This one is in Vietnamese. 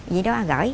vậy đó gửi